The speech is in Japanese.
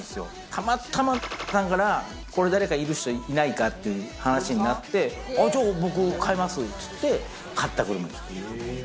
たまたまだから、これ誰かいる人いないか？って話になって、じゃあ僕買いますっつって買った車です。